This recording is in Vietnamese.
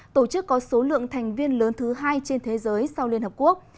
tổ chức có số lượng thành viên lớn thứ hai trên thế giới sau liên hợp quốc